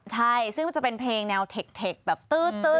ใช่ซึ่งจะเป็นเพลงแนวเท็กแบบตื๊ด